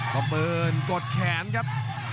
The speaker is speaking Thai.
ปลอมปืนกดแขนครับ